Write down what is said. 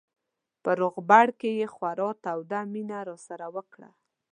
په روغبړ کې یې خورا توده مینه راسره وکړه.